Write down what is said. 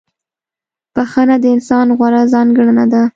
• بخښنه د انسان غوره ځانګړنه ده.